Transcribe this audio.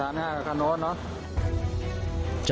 เสียหลักตกคลองส่งน้ำ